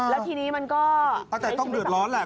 แล้วทีนี้มันก็ป้าแต่ต้องเดือดร้อนแหละ